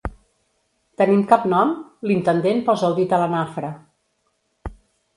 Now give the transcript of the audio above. Tenim cap nom? —l'intendent posa el dit a la nafra.